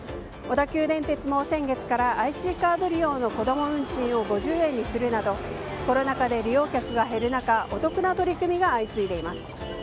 小田急電鉄も先月からＩＣカード利用の子供運賃を５０円にするなどコロナ禍で利用客が減る中お得な取り組みが相次いでいます。